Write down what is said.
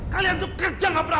kalian tuh kerja gak pernah